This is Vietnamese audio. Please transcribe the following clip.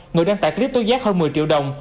người đang tài trích tối giác hơn một mươi triệu đồng